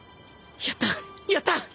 やったやった！